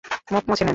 মুখ মুছে নেন।